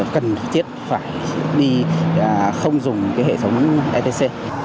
cần thiết phải đi không dùng cái hệ thống etc